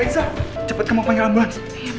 cepet kamu panggil